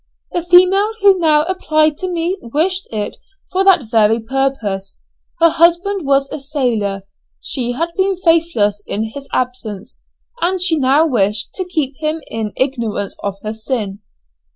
The female who now applied to me wished it for that very purpose; her husband was a sailor, she had been faithless in his absence, and she now wished to keep him in ignorance of her sin.